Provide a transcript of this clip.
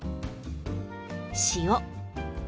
塩。